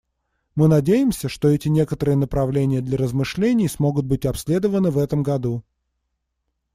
Мы надеемся, что эти некоторые направления для размышлений смогут быть обследованы в этом году.